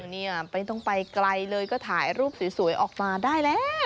เนี่ยไม่ต้องไปไกลเลยก็ถ่ายรูปสวยออกมาได้แล้ว